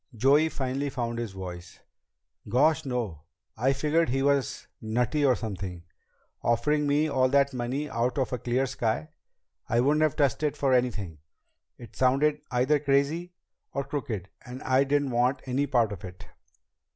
Joey finally found his voice. "Gosh, no! I figured he was nutty or something. Offering me all that money out of a clear sky. I wouldn't have touched it for anything. It sounded either crazy or crooked, and I didn't want any part of it."